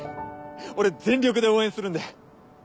俺全力で応援するんで！